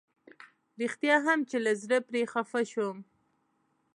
رښتيا هم چې له زړه پرې خفه شوم.